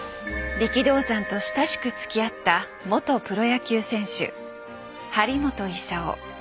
力道山と親しくつきあった元プロ野球選手張本勲。